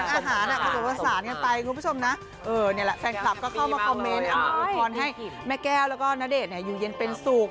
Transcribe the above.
อาหารผสมผสานกันไปคุณผู้ชมนะนี่แหละแฟนคลับก็เข้ามาคอมเมนต์โวยพรให้แม่แก้วแล้วก็ณเดชน์อยู่เย็นเป็นสุข